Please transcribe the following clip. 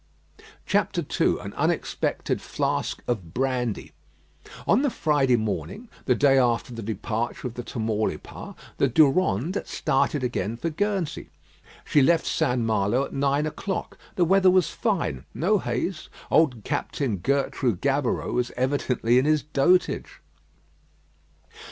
II AN UNEXPECTED FLASK OF BRANDY On the Friday morning, the day after the departure of the Tamaulipas, the Durande started again for Guernsey. She left St. Malo at nine o'clock. The weather was fine; no haze. Old Captain Gertrais Gaboureau was evidently in his dotage.